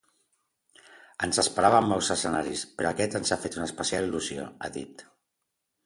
Ens esperàvem molts escenaris, però aquest ens ha fet una especial il·lusió, ha dit.